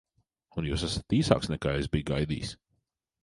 Un jūs esat īsāks, nekā es biju gaidījis.